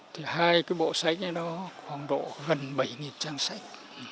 thì hai cái bộ sách ấy đó khoảng độ gần bảy nghìn trang sách